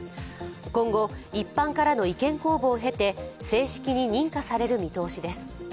今後、一般からの意見公募を経て正式に認可される見通しです。